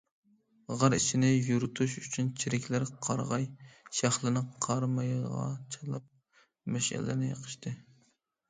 غار ئىچىنى يورۇتۇش ئۈچۈن چېرىكلەر قارىغاي شاخلىرىنى قارىمايغا چىلاپ، مەشئەللەرنى يېقىشتى.